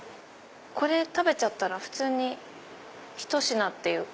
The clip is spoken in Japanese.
これ食べちゃったら普通にひと品っていうか。